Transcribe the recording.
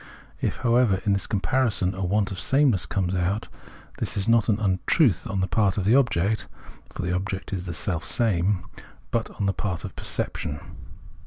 If, however, in this comparison a want of sameness comes out, this is not an untruth on the part of the object (for the object is the self same), but on the part of perception.